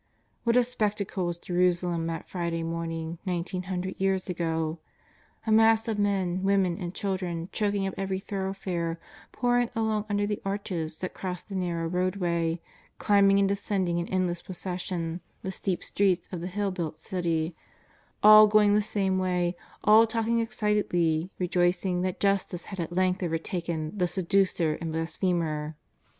What a spectacle was Jerusalem that Friday morn ing nineteen hundred years ago !— a mass of men, wo men, and children choking up every thoroughfare, pour ing along under the arches that cross the narrow road waysj climbing and descending in endless procession the steep streets of the hill built City ; all going the same way, all talking excitedly, rejoicing that justice had at length overtaken " the seducer " and " blasphemer."